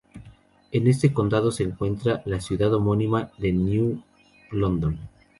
En este condado se encuentra la ciudad homónima de New London.